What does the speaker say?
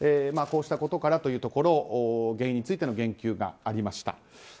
こうしたことからということ原因についての言及がありました。